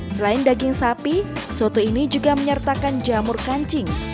selain daging sapi soto ini juga menyertakan jamur kancing